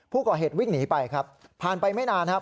ผู้ก่อเหตุวิ่งหนีไปครับผ่านไปไม่นานครับ